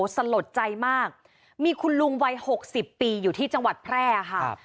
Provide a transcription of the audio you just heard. สลดใจมากมีคุณลุงวัย๖๐ปีอยู่ที่จังหวัดแพร่ค่ะ